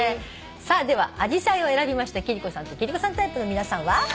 さあでは「紫陽花」を選びました貴理子さんと貴理子さんタイプの皆さんは。